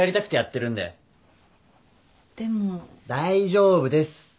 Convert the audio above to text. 大丈夫です。